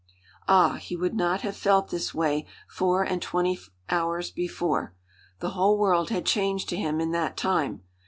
Ah! he would not have felt this way four and twenty hours before. The whole world had changed to him in that time.